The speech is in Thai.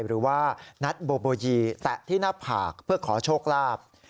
หรือว่านัทโบโบยีแตะที่หน้าผากเพื่อขอโชคลาภ